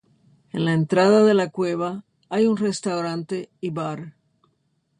En la entrada de la cueva hay un restaurante y bar.